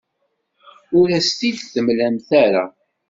Ur as-t-id-temlamt ara.